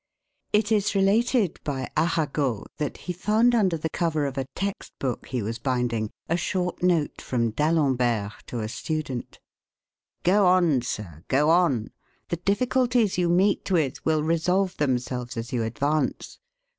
It is related by Arago that he found under the cover of a text book he was binding a short note from D'Alembert to a student: "Go on, sir, go on. The difficulties you meet with will resolve themselves as you advance.